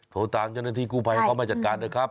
โทรตามเช่นนั้นที่กูภัยเขามาจัดการด้วยครับ